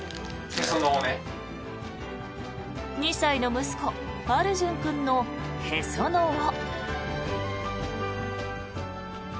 ２歳の息子、アルジュン君のへその緒。